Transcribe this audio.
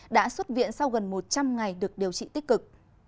đã xuất viện sau gần một trăm linh ngày được điều trị tích cực